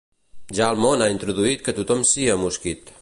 Ja el món ha introduït que tothom sia mosquit.